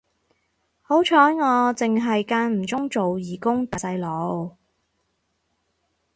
好彩我剩係間唔中做義工對下細路